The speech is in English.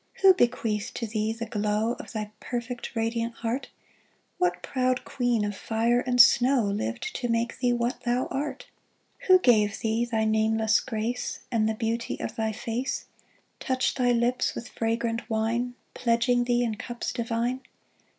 Who bequeathed to thee the glow Of thy perfect, radiant heart ? What proud queen of fire and snow Lived to make thee what thou art ?Who gave thee thy nameless grace And the beauty of thy face, * Touched thy lips with fragrant wine, Pledging thee in cups divine